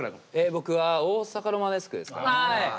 僕は「大阪ロマネスク」ですかね。